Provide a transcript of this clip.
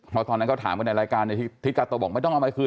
เพราะตอนนั้นเขาถามกันในรายการทิศกาโตบอกไม่ต้องเอามาคืน